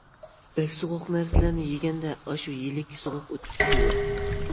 بەك سوغۇق نەرسىلەرنى يېگەندە، ئاشۇ يىلىككە سوغۇق ئۆتۈپ كېتىدۇ.